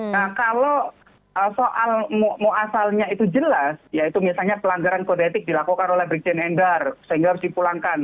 nah kalau soal muasalnya itu jelas yaitu misalnya pelanggaran kode etik dilakukan oleh brigjen endar sehingga harus dipulangkan